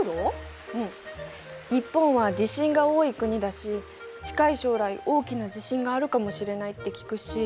うん日本は地震が多い国だし近い将来大きな地震があるかもしれないって聞くし。